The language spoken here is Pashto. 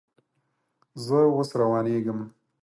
زه اوس روانېږم